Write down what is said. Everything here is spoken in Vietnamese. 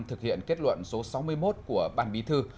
thực hiện kết luận số sáu mươi một của ban bí thư